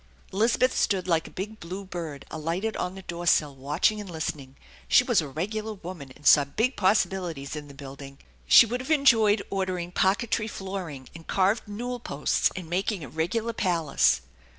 Elizabeth stood like a big blue bird alighted on the door sill, watching and listening. She was a regular woman, and saw big possibilities in the building. She would have enjoyed ordering parquetry flooring and carved newel posts and mak ing a regular palace.